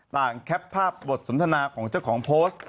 แคปภาพบทสนทนาของเจ้าของโพสต์